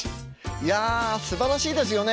いやすばらしいですよね。